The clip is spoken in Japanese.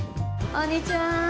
こんにちは。